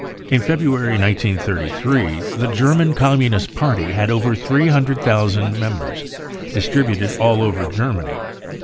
In February 1933 the German Communist Party had over three hundred thousand members, distributed all over Germany.